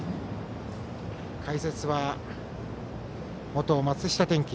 解説は元松下電器